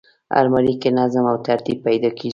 الماري کې نظم او ترتیب پیدا کېږي